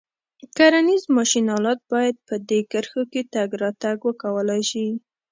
کرنیز ماشین آلات باید په دې کرښو کې تګ راتګ وکولای شي.